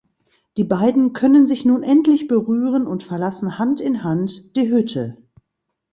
Die beiden können sich nun endlich berühren und verlassen Hand in Hand die Hütte.